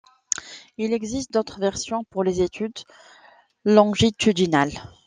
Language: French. Il existe d'autres versions pour les études longitudinales.